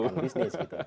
rekan bisnis itu